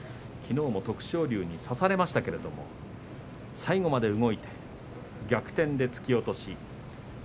きのうは徳勝龍に差されましたが最後まで動いて逆転で突き落とし。